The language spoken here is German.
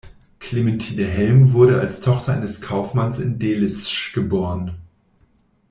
Clementine Helm wurde als Tochter eines Kaufmanns in Delitzsch geboren.